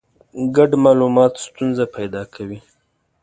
ګډ مالومات ستونزه پیدا کوي.